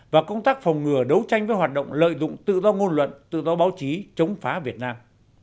và công tác phòng ngừa đấu tranh với hoạt động lợi dụng tự do ngôn luận tự do báo chí chống phá việt nam